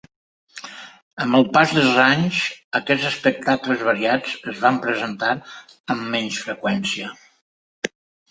Amb el pas dels anys, aquests espectacles variats es van presentar amb menys freqüència.